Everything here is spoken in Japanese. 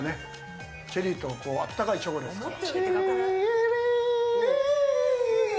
チェリーと温かいチョコですから。